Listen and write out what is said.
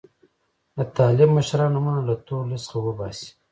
د طالب مشرانو نومونه له تور لیست څخه وباسي.